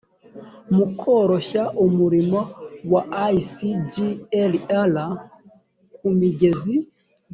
mu koroshya umurimo wa icglr kumigezi